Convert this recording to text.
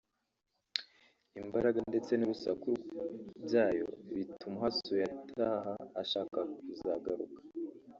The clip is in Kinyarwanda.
imbaraga ndetse n’urusaku byayo bituma uhasuye ataha ashaka kuzagaruka